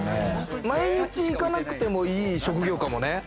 毎日行かなくてもいい職業かもね。